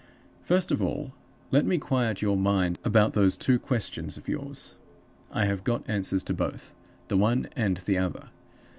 "First of all, let me quiet your mind about those two questions of yours; I have got answers to both the one and the other.